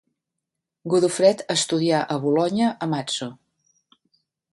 Godofred estudià a Bolonya amb Azo.